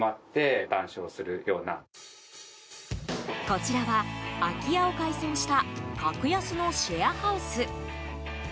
こちらは、空き家を改装した格安のシェアハウス。